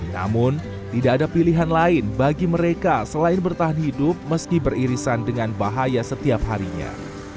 namun tidak ada pilihan lain bagi mereka selain bertahan hidup meski beririsan dengan bahaya setiap harinya